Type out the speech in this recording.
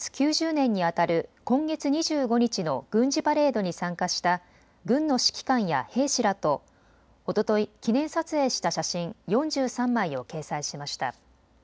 ９０年にあたる今月２５日の軍事パレードに参加した軍の指揮官や兵士らとおととい記念撮影した写真４３枚を掲載しました。